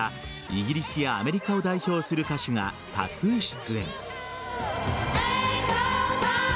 イギリスやアメリカを代表する歌手が多数出演。